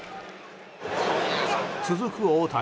続く大谷。